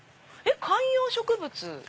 観葉植物。